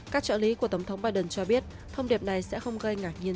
các trợ lý của tổng thống biden cho biết thông điệp này sẽ không gây ngạc nhiên